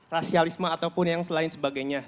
rasialisme ataupun yang lain sebagainya